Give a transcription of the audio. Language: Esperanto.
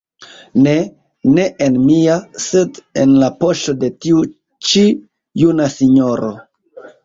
Ne, ne en mia, sed en la poŝo de tiu ĉi juna sinjoro.